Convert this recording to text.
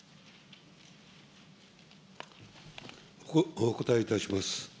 お答えいたします。